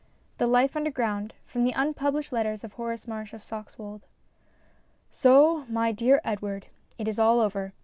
IX THE LIFE UNDERGROUND (From the Unpublished Letters of Horace Marsh of Saxwold) So, my dear Edward, it is all over.